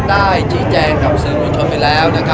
ไม่ได้คิดว่าการต่อสู้คือว่าเป็นภาพ